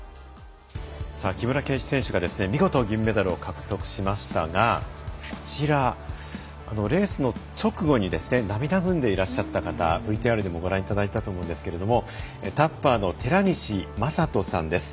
木村敬一選手が見事銀メダルを獲得しましたがこちらレース直後に涙ぐんでいらっしゃった方ＶＴＲでもご覧いただいたと思いますがタッパーの寺西真人さんです。